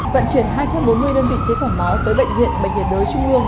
vận chuyển hai trăm bốn mươi đơn vị chế phẩm máu tới bệnh viện bệnh viện đới trung hương